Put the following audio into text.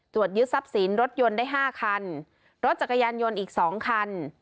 ยึดทรัพย์สินรถยนต์ได้๕คันรถจักรยานยนต์อีก๒คัน